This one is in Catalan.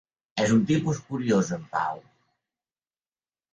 És un tipus curiós, en Pau.